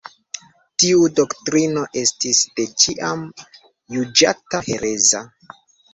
Tiu doktrino estis de ĉiam juĝata hereza.